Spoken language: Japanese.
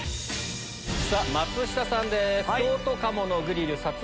さぁ松下さんです。